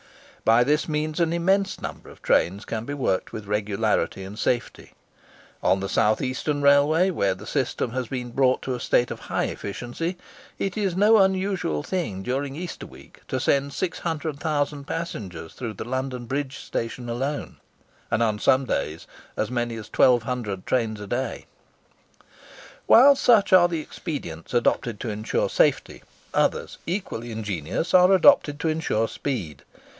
By this means an immense number of trains can be worked with regularity and safety. On the South Eastern Railway, where the system has been brought to a state of high efficiency, it is no unusual thing during Easter week to send 600,000 passengers through the London Bridge Station alone; and on some days as many as 1200 trains a day. While such are the expedients adopted to ensure safety, others equally ingenious are adopted to ensure speed.